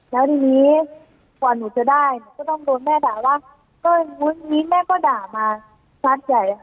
แล้วทีนี้ก่อนหนูจะได้หนูต้องโดนแม่ด่าว่านี้แม่ก็ด่ามา